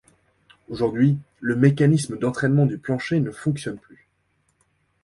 Aujourd'hui le mécanisme d'entraînement du plancher ne fonctionne plus.